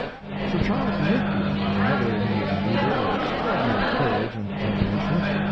Sir Charles Napier was another Indian leader of ex traordinary courage and determination.